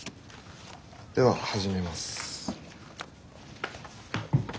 では始めます。